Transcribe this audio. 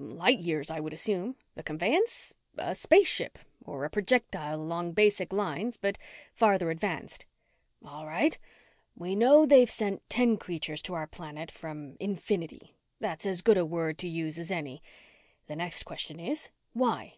Light years, I would assume. The conveyance? A spaceship, or a projectile along basic lines but farther advanced." "All right. We know they've sent ten creatures to our planet from infinity that's as good a word to use as any. The next question is, why?"